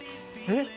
えっ！？